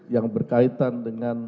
yang berkaitan dengan